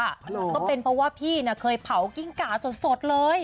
ก็เป็นเพราะว่าพี่เคยเผากิ้งกาสดเลย